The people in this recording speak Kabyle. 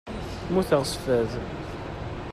Muteɣ s fad.